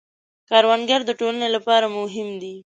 کروندګر د ټولنې لپاره مهم دی